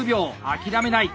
諦めない！